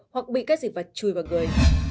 hoặc bị các dị vật chui vào người